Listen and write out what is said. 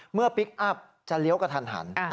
เมื่อพลิกอัพจะเลี้ยวกับทันหัน